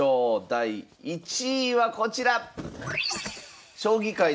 第１位はこちら！